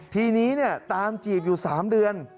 ทีนี้ตามจีบอยู่๓เดือน